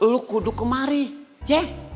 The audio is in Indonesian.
lo kuduk kemari ya